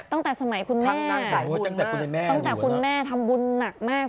ตั้งแต่สมัยคุณแม่ตั้งแต่คุณแม่ทำบุญหนักมาก